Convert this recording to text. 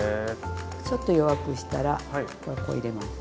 ちょっと弱くしたらこれこう入れます。